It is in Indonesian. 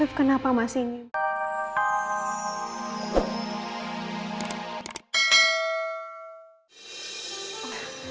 afif kenapa masih ingin